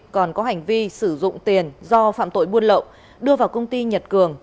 còn có hành vi sử dụng tiền do phạm tội buôn lậu đưa vào công ty nhật cường